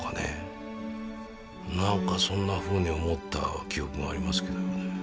何かそんなふうに思った記憶がありますけどもね。